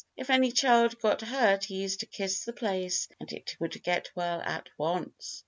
If any child got hurt he used to kiss the place and it would get well at once.